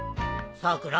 さくら